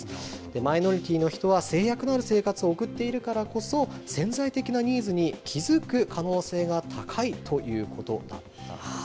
マイノリティーの人は制約のある生活を送っているからこそ、潜在的なニーズに気付く可能性が高いということだったんですね。